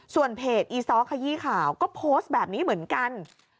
ส่วนเพจอีซ้อขยี้ข่าวก็โพสต์แบบนี้เหมือนกัน